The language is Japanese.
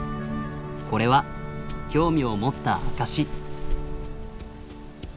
これは興味を持った証し。